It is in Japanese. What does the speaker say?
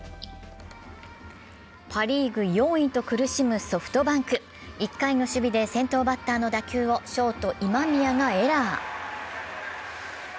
パ・リーグ４位と苦しむソフトバンク。１回の守備で先頭バッターの打球をショート・今宮がエラー。